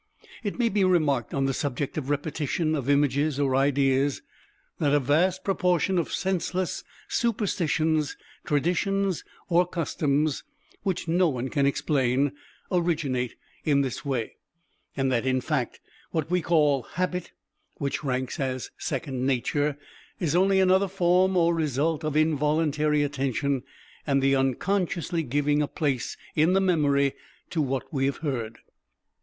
It may be remarked on the subject of repetition of images or ideas, that a vast proportion of senseless superstitions, traditions or customs, which no one can explain, originate in this way, and that in fact what we call habit (which ranks as second nature) is only another form or result of involuntary attention and the unconsciously giving a place in the memory to what we have heard.